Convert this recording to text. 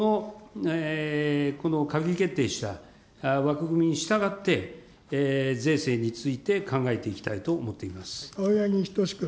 この閣議決定した枠組みに従って、税制について考えていきたいと思青柳仁士君。